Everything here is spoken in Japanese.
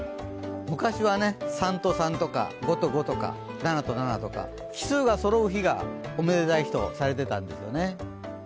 昔は３と３とか５と５とか７と７とか、奇数がそろう日がおめでたい日とされてたんですよね。